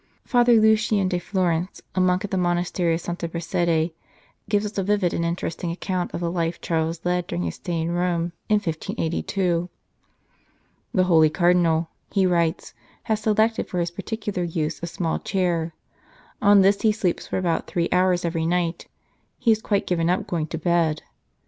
Father Lucien de Florence, a monk at the monastery of Santa Prassede, gives us a vivid and interesting account of the life Charles led during his stay in Rome in 1582. "The holy Cardinal," he writes, "has selected for his particular use a small chair; on this he sleeps for about three hours every night ; he has quite given up going to bed.